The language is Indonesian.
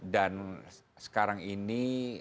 dan sekarang ini